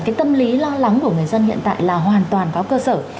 cái tâm lý lo lắng của người dân hiện tại là hoàn toàn có cơ sở